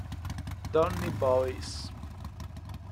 Donnie Boyce